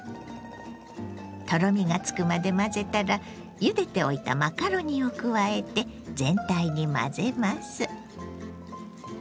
とろみがつくまで混ぜたらゆでておいたマカロニを加えて全体に混ぜます。